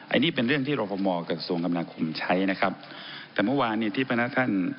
อันนี้เป็นเรื่องที่เราพอมอบกับส่วนกำลังคุมใช้นะครับแต่เมื่อวานนี้ที่พระนักท่าน